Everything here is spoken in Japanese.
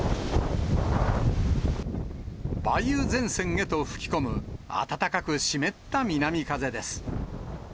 梅雨前線へと吹き込む、暖かく湿った南風です。